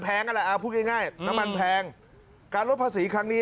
อะไรเอาพูดง่ายน้ำมันแพงการลดภาษีครั้งนี้